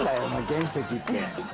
原石って。